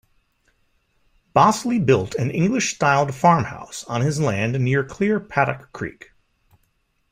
Bossley built an English styled farmhouse on his land near Clear Paddock Creek.